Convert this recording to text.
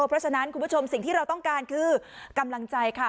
เพราะฉะนั้นคุณผู้ชมสิ่งที่เราต้องการคือกำลังใจค่ะ